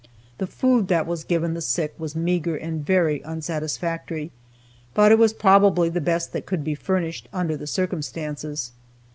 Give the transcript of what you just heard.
The food that was given the sick was meager and very unsatisfactory, but it was probably the best that could be furnished, under the circumstances.